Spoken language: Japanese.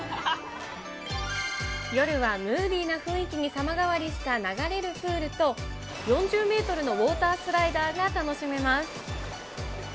夜はムーディーな雰囲気に様変わりした流れるプールと、４０メートルのウォータースライダーが楽しめます。